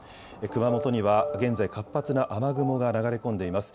熊本には現在、活発な雨雲が流れ込んでいます。